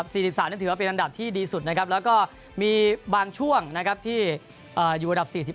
๔๓ถือว่าเป็นอันดับที่ดีสุดนะครับแล้วก็มีบางช่วงนะครับที่อยู่อันดับ๔๑